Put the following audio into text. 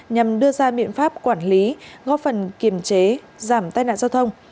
nhằm đưa ra biện pháp quản lý góp phần kiềm chế giảm tai nạn giao thông